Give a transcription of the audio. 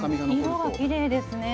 色がきれいですね。